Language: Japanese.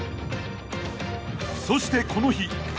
［そしてこの日］